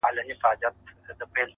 تامي د خوښۍ سترگي راوباسلې مړې دي كړې _